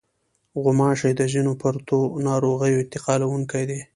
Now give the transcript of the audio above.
غوماشې د ځینو پرتو ناروغیو انتقالوونکې دي.